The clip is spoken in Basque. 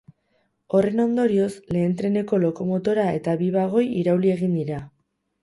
Horren ondorioz, lehen treneko lokomotora eta bi bagoi irauli egin dira.